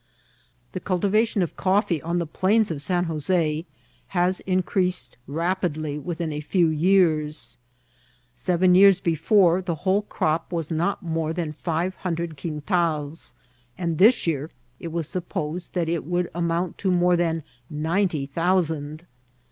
The cultivation of coffee on the plains of San Jos^ has increased rapidly within a few years. Seven years before the whole crop was not more than five hundred quintals, and this year it was supposed that it would amount to more than ninety thousand.